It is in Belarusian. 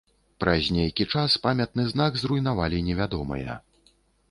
Праз нейкі час памятны знак зруйнавалі невядомыя.